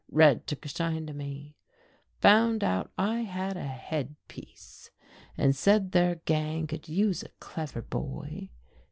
Red took a shine to me, found out I had a head piece, and said their gang could use a clever boy.